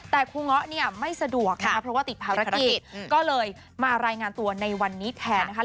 แต่ครูเงาะเนี่ยไม่สะดวกนะคะเพราะว่าติดภารกิจก็เลยมารายงานตัวในวันนี้แทนนะคะ